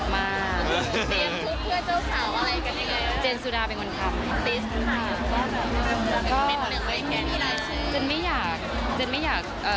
เพื่อนเจ้าสาวทุกคนก็ช่วยเจนี่ทุกคน